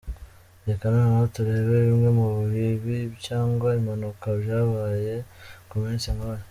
Reka noneho turebe bimwe mu bibi cyangwa impanuka byabaye ku munsi nk’uyu:.